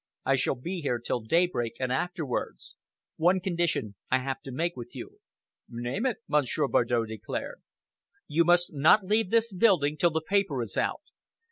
I shall be here till daybreak and afterwards. One condition I have to make with you." "Name it," Monsieur Bardow declared. "You must not leave this building till the paper is out.